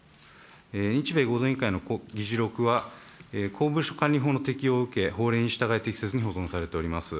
日米合同委員会の議事録は、公文書管理法の適用を受け法令に従い適切に保存されております。